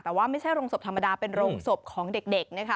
แต่ว่าไม่ใช่โรงศพธรรมดาเป็นโรงศพของเด็กนะคะ